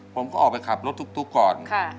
ผมก็ออกไปขับรถตุ๊กก่อน